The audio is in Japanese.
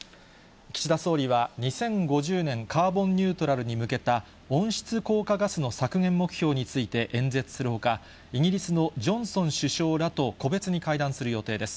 岸田総理は２０５０年カーボンニュートラルに向けた温室効果ガスの削減目標について演説するほか、イギリスのジョンソン首相らと個別に会談する予定です。